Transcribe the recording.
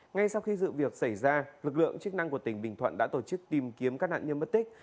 ngay sau khi sự việc xảy ra lực lượng chức năng của tỉnh bình thuận đã tổ chức tìm kiếm các nạn nhân mất tích